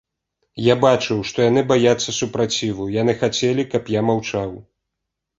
Я бачыў, што яны баяцца супраціву, яны хацелі, каб я маўчаў.